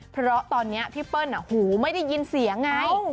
เพราะตอนนี้พี่เปิ้ลหูไม่ได้ยินเสียงไง